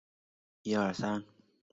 位于湖北省宜昌市胜利三路。